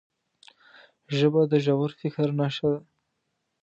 ژبه د ژور فکر نښه ده